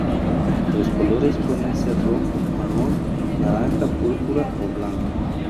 Los colores pueden ser rojo, marrón, naranja, púrpura o blanco.